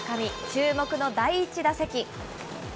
注目の第１打席。